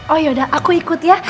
oh yaudah aku ikut ya